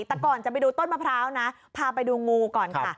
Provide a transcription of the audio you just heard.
แต่ก่อนจะไปดูต้นมะพร้าวนะพาไปดูงูก่อนค่ะ